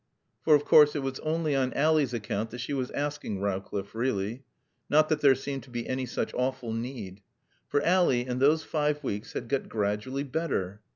For of course it was only on Ally's account that she was asking Rowcliffe, really. Not that there seemed to be any such awful need. For Ally, in those five weeks, had got gradually better.